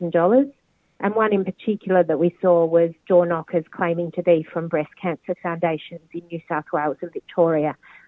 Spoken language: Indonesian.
dan satu yang kita lihat adalah penipuan amal palsu yang diklaim dari pusat penipuan nasional pancasila di new south wales dan victoria